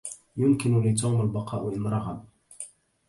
يمكن لتوم البقاء إن رغب.